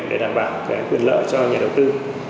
để đảm bảo quyền lợi cho nhà đầu tư